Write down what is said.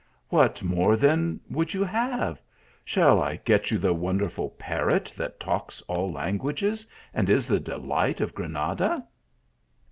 " What more, then, would you have ? Shall I get you the wonderful parrot that talks all languages, and is the delight of Granada?"